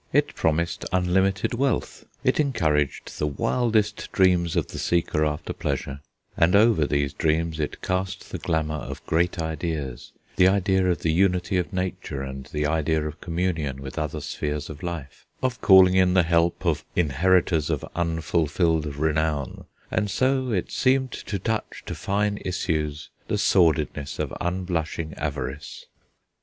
It promised unlimited wealth; it encouraged the wildest dreams of the seeker after pleasure; and over these dreams it cast the glamour of great ideas, the idea of the unity of nature, and the idea of communion with other spheres of life, of calling in the help of 'inheritors of unfulfilled renown,' and so it seemed to touch to fine issues the sordidness of unblushing avarice.